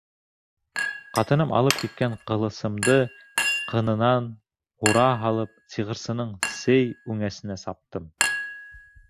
Ҡатыным алып киткән ҡылысымды ҡынынан һура һалып, сихырсының сей үңәсенә саптым.